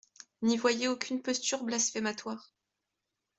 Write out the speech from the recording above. N’y voyez aucune posture blasphématoire.